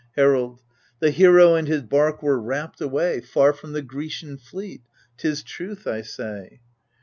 Herald The hero and his bark were rapt away Far from the Grecian fleet ? 'tis truth I say.